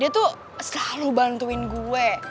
dia tuh selalu bantuin gue